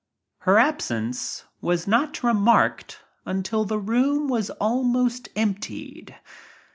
Her absence was not remarked until the room was almost emptied.